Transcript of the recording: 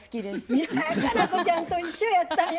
いや佳菜子ちゃんと一緒やったんや。